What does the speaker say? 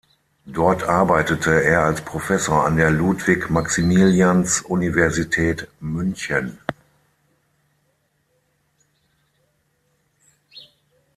Dort arbeitete er als Professor an der Ludwig-Maximilians-Universität München.